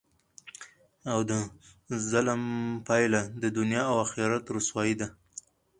او دظلم پایله د دنیا او اخرت رسوايي ده،